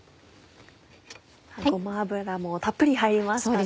ごま油もたっぷり入りましたね。